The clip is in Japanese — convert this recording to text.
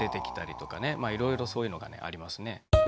まあいろいろそういうのがありますね。